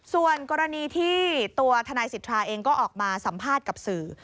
ส่วนกรณีที่ตัวทนายสิทธาเองก็ออกมาสัมภาษณ์กับสื่อ